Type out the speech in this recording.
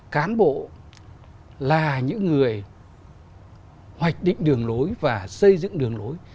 cán bộ là những người hoạch định đường lối và xây dựng đường lối